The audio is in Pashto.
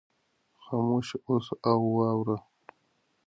خاموشه اوسه او واوره.